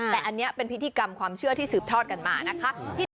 แต่อันนี้เป็นพิธีกรรมความเชื่อที่สืบทอดกันมานะคะ